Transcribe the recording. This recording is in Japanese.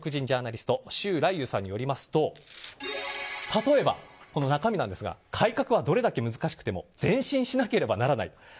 ジャーナリスト周来友さんによりますと例えば、中身なんですが改革はどれだけ難しくても前進しなければならない。